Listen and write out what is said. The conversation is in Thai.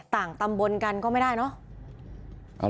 ต่างตำบลกันก็ไม่ได้เนาะ